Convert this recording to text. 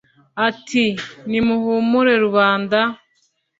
ati : nimuhumure rubanda